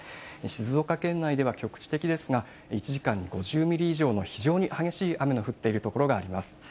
静岡県内では局地的ですが、１時間に５０ミリ以上の非常に激しい雨の降っている所があります。